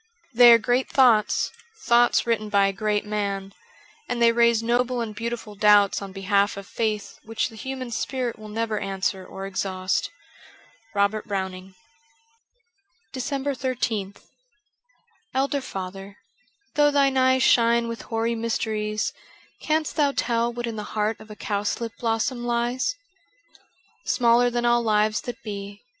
They are great thoughts, thoughts written by a great man, and they raise noble and beautiful doubts on behalf of faith which the human spirit will never answer or exhaust. ' Robert Browning. ' 385 DECEMBER 13th ELDER father, though thine eyes Shine with hoary mysteries, Canst thou tell what in the heart Of a cowslip blossom lies ? Smaller than all lives that be.